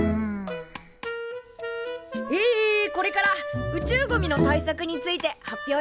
えこれから宇宙ゴミの対策について発表します。